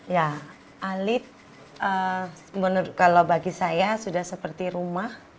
ya alit menurut kalau bagi saya sudah seperti rumah